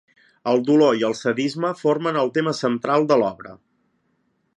El dolor i el sadisme formen el tema central de l'obra.